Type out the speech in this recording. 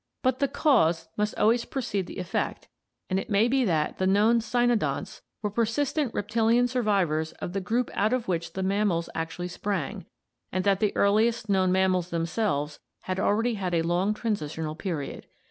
But the cause must always precede the effect and it may be that the known cynodonts were persistent reptilian survivors of the group out of which the mammals actually sprang, and that the earliest known mammals themselves had already had a long transitional period.